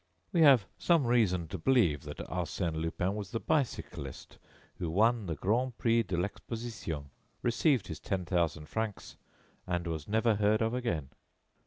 We have some reason to believe that Arsène Lupin was the bicyclist who won the Grand Prix de l'Exposition, received his ten thousand francs, and was never heard of again.